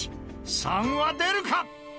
３は出るか？